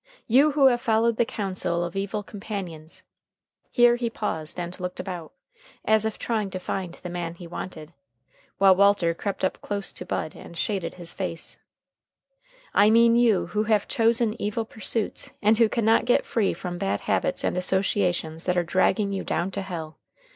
you who have followed the counsel of evil companions" here he paused and looked about, as if trying to find the man he wanted, while Walter crept up close to Bud and shaded his face "I mean you who have chosen evil pursuits and who can not get free from bad habits and associations that are dragging you down to hell!